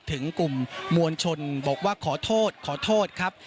ถึงกลุ่มมวลชนบอกว่าขอโทษขอโทษครับ